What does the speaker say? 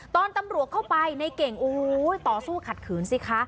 ตอนตำรวจเข้าไปในเก่งโอ้โหต่อสู้ขัดขืนสิคะ